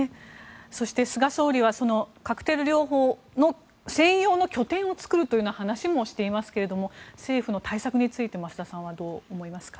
そして、菅総理はそのカクテル療法の専用の拠点を作るという話もしていますけど政府の対策について増田さんはどう思いますか？